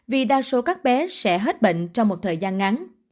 vì đa số các bé sẽ hết bệnh trong một thời gian ngắn